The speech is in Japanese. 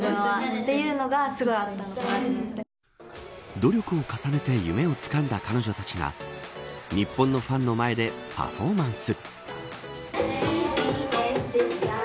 努力を重ねて夢をつかんだ彼女たちが日本のファンの前でパフォーマンス。